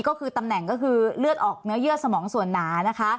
ก็คือตำแหน่งก็คือเลือดออกเนื้อเยื่อสมองส่วนหนานะคะ